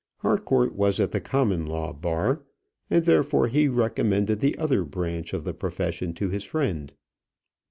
Harcourt was at the Common Law bar, and therefore he recommended the other branch of the profession to his friend.